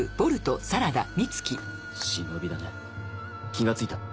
忍だね気がついた？